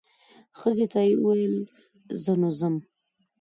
ښځې ته یې وویل زه نو ځم.